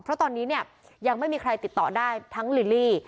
เพราะตอนนี้เนี่ยยังไม่มีใครติดต่อได้ทั้งลิลลี่